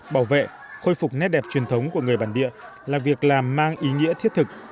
bảo vệ khôi phục nét đẹp truyền thống của người bản địa là việc làm mang ý nghĩa thiết thực